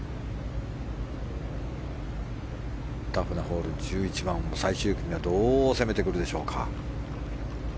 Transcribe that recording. タフなホール１１番を、最終組はどう攻めてくるでしょうか。